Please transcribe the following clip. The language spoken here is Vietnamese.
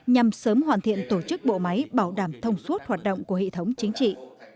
nhằm sớm hoàn thiện tổ chức bộ máy bảo đảm thông suốt hoạt động của hệ thống chính trị